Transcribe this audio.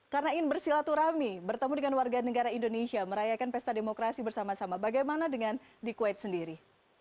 karena ingin bersilaturahmi bertemu dengan warga negara indonesia merayakan pesta demokrasi bersama sama bagaimana dengan di kuwait sendiri